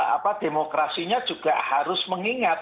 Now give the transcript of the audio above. apa demokrasinya juga harus mengingat